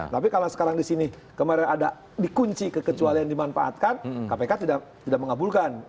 tapi kalau sekarang di sini kemarin ada dikunci kekecualian dimanfaatkan kpk tidak mengabulkan